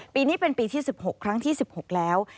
ปีนี้เป็นปีที่๑๖ครั้งที่๑๖แล้ว